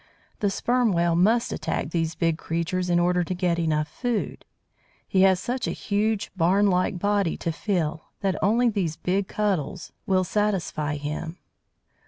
The Sperm Whale must attack these big creatures in order to get enough food. He has such a huge, barn like body to fill, that only these big Cuttles will satisfy him.